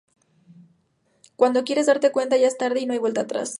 Cuando quieres darte cuenta, ya es tarde y no hay vuelta atrás.